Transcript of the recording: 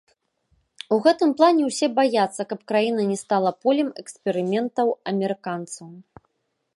У гэтым плане ўсе баяцца, каб краіна не стала полем эксперыментаў амерыканцаў.